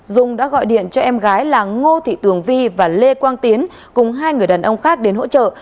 dung đã gọi điện cho em gái là ngô thị tường vi và lê quang tiến cùng hai người đàn ông khác đến hỗ trợ